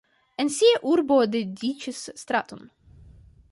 En sia urbo dediĉis straton.